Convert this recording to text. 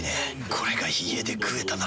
これが家で食えたなら。